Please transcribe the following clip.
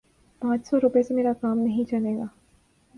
پانچ سو روپے سے میرا کام نہیں چلے گا